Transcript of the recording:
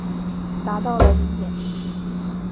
达到了顶点。